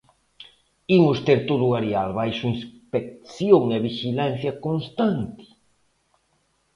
Imos ter todo o areal baixo inspección e vixilancia constante?